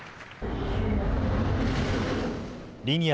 リニア